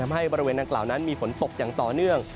บริเวณดังกล่าวนั้นมีฝนตกอย่างต่อเนื่อง